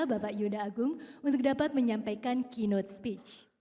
bapak yuda agung untuk dapat menyampaikan keynote speech